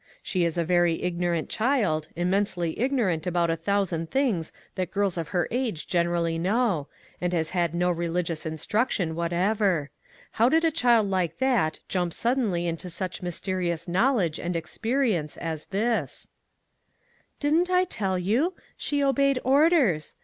" She is a very ignorant child, im mensely ignorant about a thousand things that girls of her age generally know, and has had no religious instruction whatever. How did a child like that jump suddenly into such mys terious knowledge and experience as this ?" 283 MAG AND MARGARET " Didn't I tell you ? She obeyed orders.